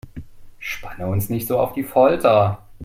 Spanne uns nicht so auf die Folter!